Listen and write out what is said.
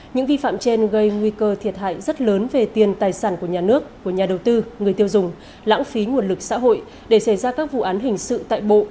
những vi phạm trên gây nguy cơ thiệt hại rất lớn về tiền tài sản của nhà nước của nhà đầu tư người tiêu dùng lãng phí nguồn lực xã hội để xảy ra các vụ án hình sự tại bộ